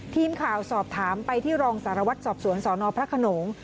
ทีมข่าวสอบถามไปที่รองสารวัตรสอบสวนสนพระขนง